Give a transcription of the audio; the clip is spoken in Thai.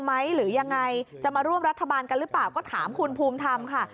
หรือยังไงจะมาร่วมรัฐบาลกันหรือเปล่าก็ถามคุณภูมิธรรมค่ะ